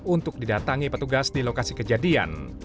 delapan puluh untuk didatangi petugas di lokasi kejadian